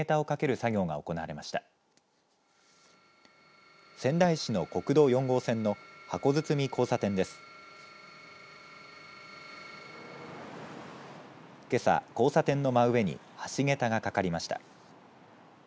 けさ交差点の真上に橋桁がかかりました。